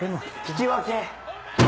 引き分け！